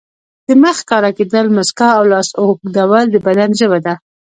د مخ ښکاره کېدل، مسکا او لاس اوږدول د بدن ژبه ده.